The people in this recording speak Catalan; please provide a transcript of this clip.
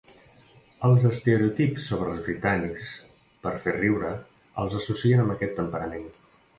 Els estereotips sobre els britànics per fer riure els associen amb aquest temperament.